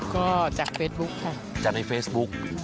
ก็จากเฟซบุ๊คค่ะจากในเฟซบุ๊ก